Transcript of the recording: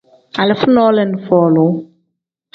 Alifa nole ni folu.